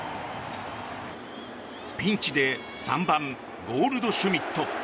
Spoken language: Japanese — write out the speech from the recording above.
ピンチで３番、ゴールドシュミット。